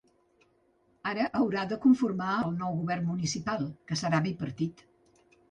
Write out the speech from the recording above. Ara haurà de conformar el nou govern municipal, que serà bipartit.